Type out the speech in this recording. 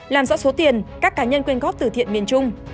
làm rõ số tiền các cá nhân quyên góp từ thiện miền trung